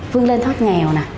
vươn lên thoát nghèo